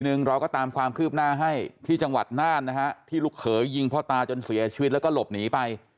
หนึ่งเราก็ตามความคืบหน้าให้ที่จังหวัดน่านนะฮะที่ลูกเขยยิงพ่อตาจนเสียชีวิตแล้วก็หลบหนีไป